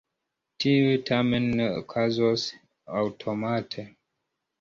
Tiuj tamen ne okazos aŭtomate.